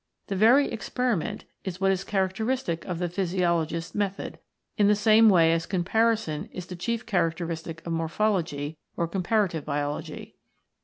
The very experiment is what is characteristic of the physiologist's method, in the same way as comparison is the chief characteristic of Morphology or Comparative Biology.